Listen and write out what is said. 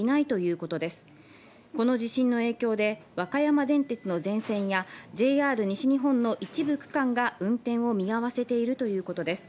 この地震の影響で和歌山電鉄の全線やＪＲ西日本の一部区間が運転を見合わせているということです。